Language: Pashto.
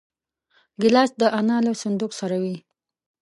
ګیلاس د انا له صندوق سره وي.